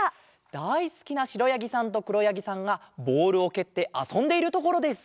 だいすきなしろやぎさんとくろやぎさんがボールをけってあそんでいるところです。